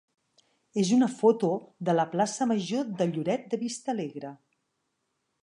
és una foto de la plaça major de Lloret de Vistalegre.